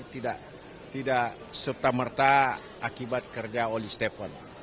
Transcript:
tidak serta merta akibat kerja oleh stefan